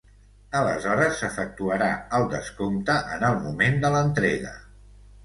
Aleshores s'efectuarà el descompte en el moment de l'entrega.